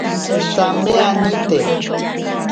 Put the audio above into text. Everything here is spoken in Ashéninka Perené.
Tsame anite.